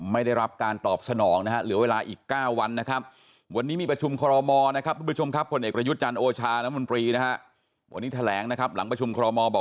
ไม่ได้รับการตอบสนองนะฮะเหลือเวลาอีก๙วันนะครับ